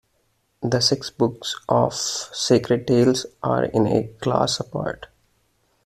The six books of "Sacred Tales" "are in a class apart.